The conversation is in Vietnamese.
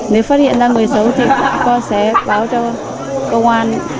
nếu phát hiện ra người xấu thì các con sẽ báo cho công an